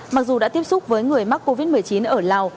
mặc dù đã tiếp xúc với người mắc covid một mươi chín ở lào